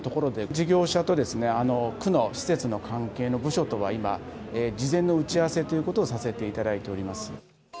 事業者と区の施設の関係の部署とは今、事前の打ち合わせということをさせていただいております。